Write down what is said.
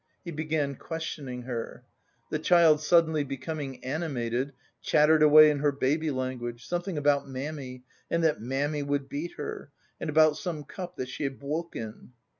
He began questioning her. The child suddenly becoming animated, chattered away in her baby language, something about "mammy" and that "mammy would beat her," and about some cup that she had "bwoken."